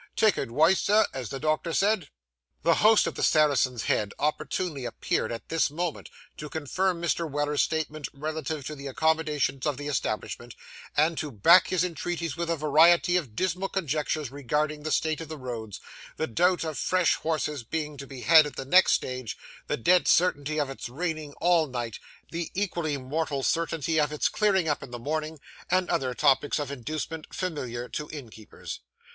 Take adwice, sir, as the doctor said.' The host of the Saracen's Head opportunely appeared at this moment, to confirm Mr. Weller's statement relative to the accommodations of the establishment, and to back his entreaties with a variety of dismal conjectures regarding the state of the roads, the doubt of fresh horses being to be had at the next stage, the dead certainty of its raining all night, the equally mortal certainty of its clearing up in the morning, and other topics of inducement familiar to innkeepers.